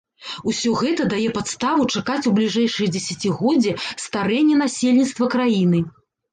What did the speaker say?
Усё гэта дае падставу чакаць у бліжэйшыя дзесяцігоддзі старэння насельніцтва краіны.